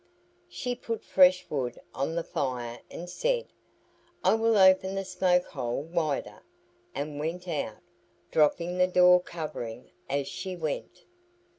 She put fresh wood on the fire and said, "I will open the smoke hole wider," and went out, dropping the door covering as she went.